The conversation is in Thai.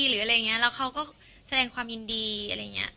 หรืออะไรอย่างนี้แล้วเขาก็แสดงความยินดีอะไรอย่างนี้